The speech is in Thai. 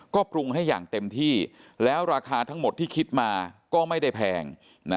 ก็ปรุงให้อย่างเต็มที่แล้วราคาทั้งหมดที่คิดมาก็ไม่ได้แพง